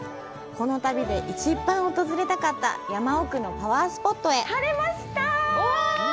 この旅で一番訪れたかった山奥のパワースポットへ！